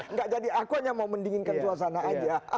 nggak jadi aku hanya mau mendinginkan suasana aja